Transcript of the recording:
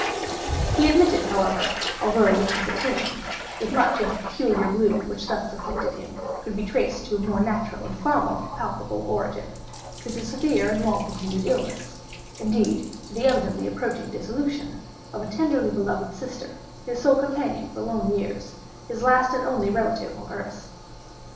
He admitted, however, although with hesitation, that much of the peculiar gloom which thus afflicted him could be traced to a more natural and far more palpable origin—to the severe and long continued illness—indeed to the evidently approaching dissolution—of a tenderly beloved sister—his sole companion for long years—his last and only relative on earth.